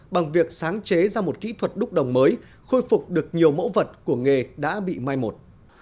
bằng việc sáng chế ra một kỹ thuật đúc đồng mới khôi phục được nhiều mẫu vật của nghề đã bị mai một